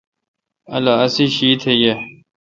اولو اسی شیشت یہ۔